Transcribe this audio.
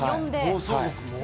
暴走族も？